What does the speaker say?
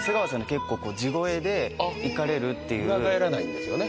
結構こう地声でいかれるっていう裏返らないんですよね